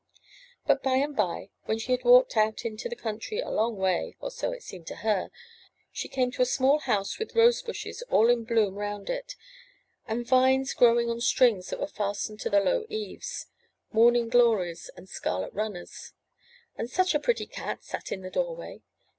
But by and by, when she had walked out into the country a long way, or so it seemed to her, she came to a small house with rose bushes all in bloom round 442 UP ONE PAIR OF STAIRS it, and vines growing on strings that were fastened to the low eaves, — morning glories and scarlet runners; and such a pretty cat sat in the doorway.